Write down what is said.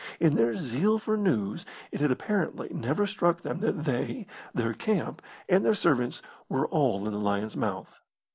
In their zeal for news it had apparently never struck them that they, their camp, and their servants were all in the lion's mouth.